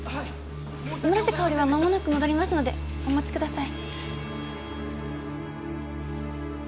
村瀬香織はまもなく戻りますのでお待ちください。